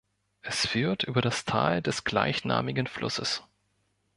Es führt über das Tal des gleichnamigen Flusses.